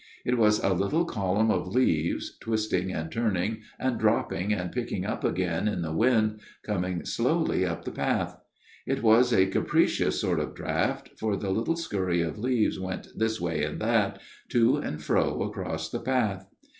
It was a little column of leaves, twisting and turning and dropping and picking up again in the wind, coming slowly up the path. It was a capricious sort of draught, for the little scurry of leaves went this way and that, to and fro across the path.